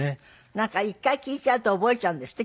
なんか１回聴いちゃうと覚えちゃうんですって？